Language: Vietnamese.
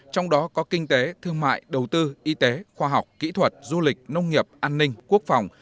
trong đó có kinh tế thương mại đầu tư y tế khoa học kỹ thuật du lịch nông nghiệp an ninh quốc phòng